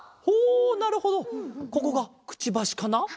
ほなるほどここがくちばしかな？